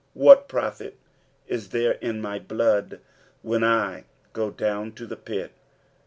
9 What profit is there in my blood, when I go down to the pit